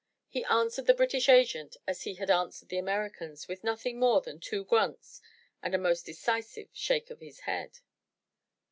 He answered the British Agent as he had answered the Americans with nothing more than two grunts and a most decisive shake of his head.